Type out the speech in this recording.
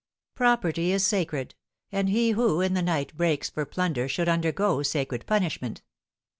Property is sacred, and he who, in the night, breaks for plunder should undergo sacred punishment.